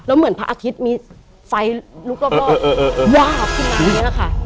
เหมือนพระอาทิตย์มีไฟลุกรอบวาบขึ้นมาอย่างนี้แหละค่ะ